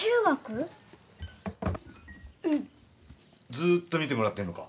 ずーっと見てもらってんのか？